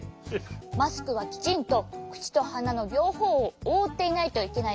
マスクはきちんとくちとはなのりょうほうをおおっていないといけないの。